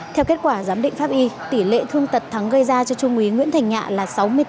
theo kết quả giám định pháp y tỷ lệ thương tật thắng gây ra cho chung ý nguyễn thành nhã là sáu mươi tám